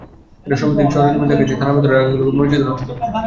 সম্প্রতি সরেজমিনে দেখা গেছে, থানার ভেতরে রাখা গাড়িগুলো মরিচা ধরে নষ্ট হচ্ছে।